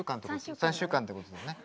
３週間ってことだね。